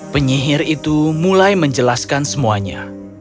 penyihir itu mulai menjelaskan semuanya